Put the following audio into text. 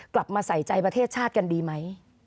กลับมาใส่ใจประเทศชาติกันดีไหม